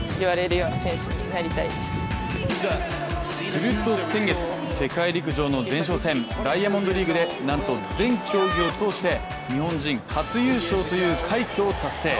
すると先月、世界陸上の前哨戦、ダイヤモンドリーグでなんと、全競技を通して日本人初優勝という快挙を達成！